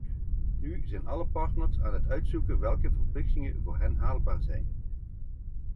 Nu zijn alle partners aan het uitzoeken welke verplichtingen voor hen haalbaar zijn.